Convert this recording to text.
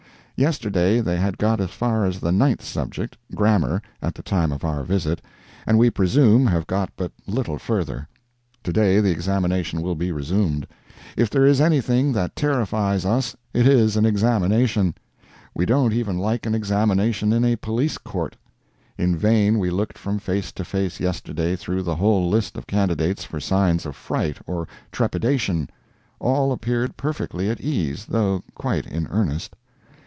Yesterday they had got as far as the ninth subject, grammar, at the time of our visit, and we presume have got but little further. To day the examination will be resumed. If there is anything that terrifies us it is an examination. We don't even like an examination in a Police Court. In vain we looked from face to face yesterday through the whole list of candidates for signs of fright or trepidation. All appeared perfectly at ease, though quite in earnest.